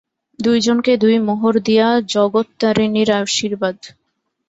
দুইজনকে দুই মোহর দিয়া জগত্তারিণীর আশীর্বাদ।